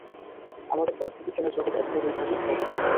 আমাদের পদার্থবিজ্ঞানের জগৎ এখনো দুই ভাগে বিভক্ত।